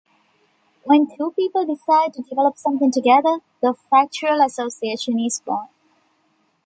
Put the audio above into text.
When two people decide to develop something together, the factual association is born.